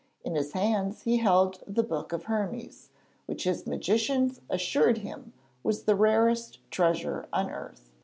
In his hands he held the Book of Hermes, which his magicians assured him was the rarest treasure on earth.